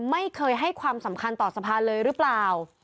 ไม่เคยให้ความสำคัญต่อสภาเลยหรือเปล่า